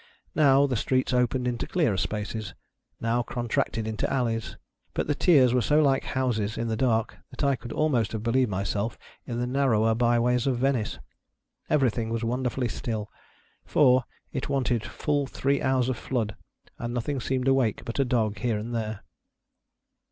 Now, the streets opened into clearer spaces, now contracted into alleys ; but the tiers were so like houses, in the dark, that I could almost have believed myself in the narrower bye ways of Venice. Everything was wonderfully still ; for, it wanted full three hours of ilood, and nothing seemed awake but a dog here and there.